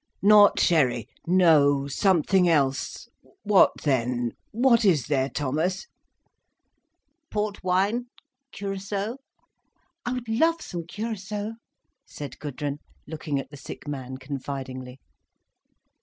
"Not sherry! No! Something else! What then? What is there, Thomas?" "Port wine—curacçao—" "I would love some curaçao—" said Gudrun, looking at the sick man confidingly.